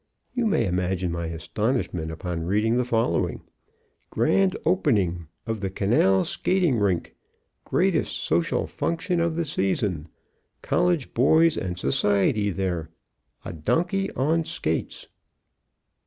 You may imagine my astonishment upon reading the following: GRAND OPENING Of the Canal Skating Rink. Greatest Social Function of the Season. COLLEGE BOYS AND SOCIETY THERE. A Donkey on Skates.